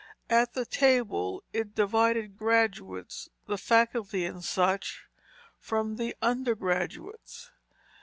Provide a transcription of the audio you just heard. At the table it divided graduates, the faculty, and such, from the undergraduates.